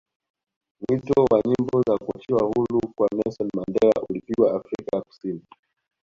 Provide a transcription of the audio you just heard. mwito wa nyimbo za kuachiwa huru kwa Nelson Mandela ulipigwa Afrika ya kusini